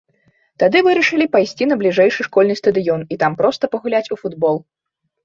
Тады вырашылі пайсці на бліжэйшы школьны стадыён і там проста пагуляць у футбол.